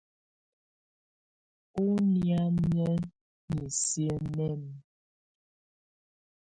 Ɔ́ nɛ̀ámɛ̀á niisǝ́ nɛ́ɛnɛ.